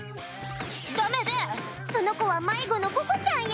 その子は迷子のココちゃんや！